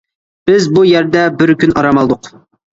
بىز بۇ يەردە بىر كۈن ئارام ئالدۇق.